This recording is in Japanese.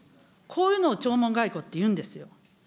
こういうのを弔問外交って言うんですよ。